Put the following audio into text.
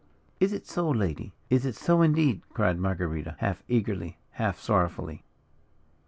"Is it so, lady? is it so, indeed?" cried Marguerita, half eagerly, half sorrowfully.